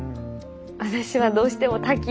私はどうしても滝に。